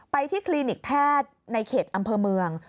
ที่คลินิกแพทย์ในเขตอำเภอเมือง